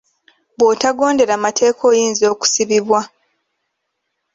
Bwotagondera mateeka oyinza okusibibwa.